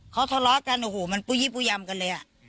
เขาทะเลาะกันโอ้โหมันปูยี่ปูยำกันเลยอ่ะ